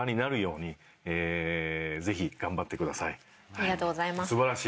ありがとうございます。